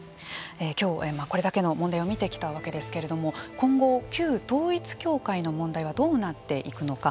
今日はこれだけの問題を見てきたわけですけれども今後、旧統一教会の問題はどうなっていくのか。